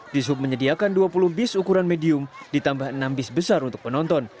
di sub menyediakan dua puluh bis ukuran medium ditambah enam bis besar untuk penonton